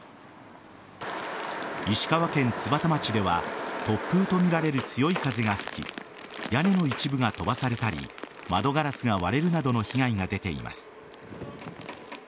石川県津幡町では突風とみられる強い風が吹き屋根の一部が飛ばされたり窓ガラスが割れるなどの被害が出ています。